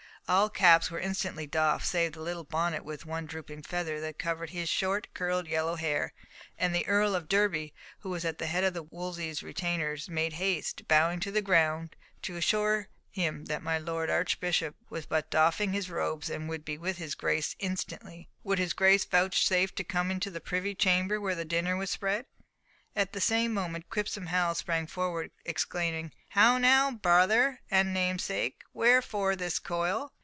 All caps were instantly doffed save the little bonnet with one drooping feather that covered his short, curled, yellow hair; and the Earl of Derby, who was at the head of Wolsey's retainers, made haste, bowing to the ground, to assure him that my Lord Archbishop was but doffing his robes, and would be with his Grace instantly. Would his Grace vouchsafe to come on to the privy chamber where the dinner was spread? At the same moment Quipsome Hal sprang forward, exclaiming, "How now, brother and namesake? Wherefore this coil?